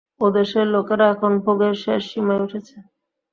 ওদেশের লোকেরা এখন ভোগের শেষ সীমায় উঠেছে।